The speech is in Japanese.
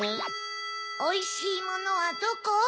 おいしいものはどこ？